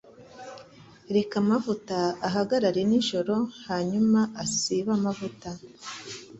Reka amata ahagarare nijoro hanyuma asibe amavuta